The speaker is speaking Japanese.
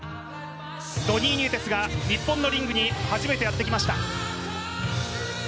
ドニー・ニエテスが日本のリングに初めてやって来ました。